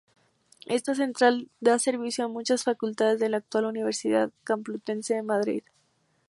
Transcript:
Esta central da servicio a muchas facultades de la actual Universidad Complutense de Madrid.